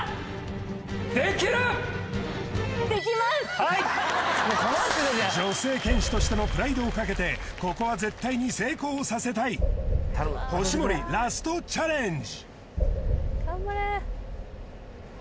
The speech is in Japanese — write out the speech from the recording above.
はいはいはい女性剣士としてのプライドをかけてここは絶対に成功をさせたい星守ラストチャレンジ